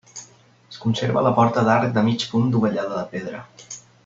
Es conserva la porta d'arc de mig punt dovellada de pedra.